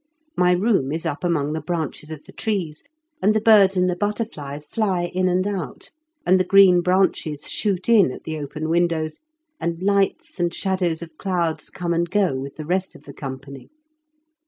My room is up among the branches of the trees, and the birds and the butterflies fly in and out, and the green branches shoot in at the open windows, and lights and shadows of clouds come and go with the rest of the company.